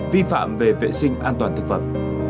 vi phạm về vệ sinh an toàn thực phẩm